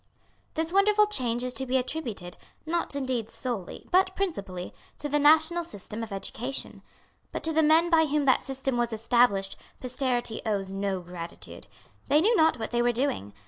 This wonderful change is to be attributed, not indeed solely, but principally, to the national system of education. But to the men by whom that system was established posterity owes no gratitude. They knew not what they were doing.